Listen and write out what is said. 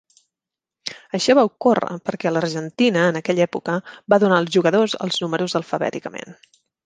Això va ocórrer perquè l'Argentina, en aquella època, va donar als jugadors els números alfabèticament.